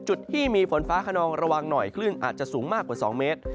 จุดที่มีฝนฟ้าขนองระวังหน่อยคลื่นอาจจะสูงมากกว่า๒เมตร